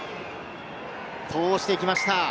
通してきました。